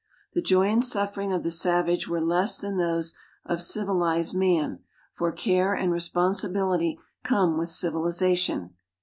The joy and suffering of the savage were less than those of civilizod man, for care and responsibility come with civilization.